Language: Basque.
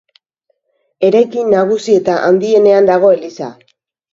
Eraikin nagusi eta handienean dago eliza.